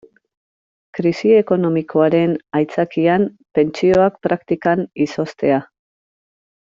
Krisi ekonomikoaren aitzakian pentsioak praktikan izoztea.